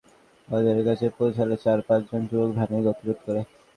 ভোর পাঁচটার দিকে পলাশী বাজারের কাছে পৌঁছালে চার-পাঁচজন যুবক ভ্যানের গতিরোধ করে।